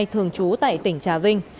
thường trú tại tỉnh trà vinh